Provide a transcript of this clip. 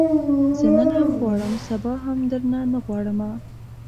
زه نن هم نه غواړم، سبا هم درنه نه غواړمه